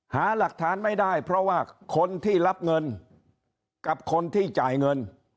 หาหลักฐานไม่ได้เพราะว่าคนที่รับเงินกับคนที่จ่ายเงิน